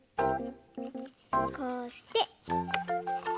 こうして。